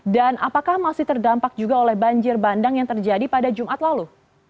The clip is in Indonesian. dan apakah masih terdampak juga oleh banjir bandang yang terjadi pada jumat lalu